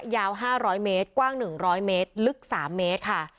ยาว๕๐๐เมตรกว้าง๑๐๐เมตรลึก๓เมตรค่ะ